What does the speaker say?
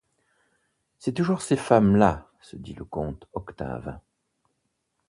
C’est toujours ces femmes-là, se dit le comte Octave